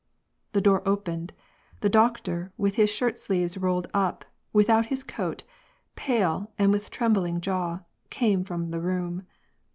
The door opened. The doctor, with his shirt sleeves rolled np, without his coat, pale, and with trembling jaw, came from the room.